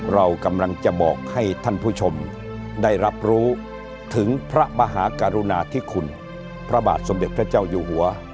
เรากำลังจะบอกให้ท่านผู้ชมได้รับรู้ถึงพระมหากรุณาธิคุณพระบาทสมเด็จพระเจ้าอยู่หัว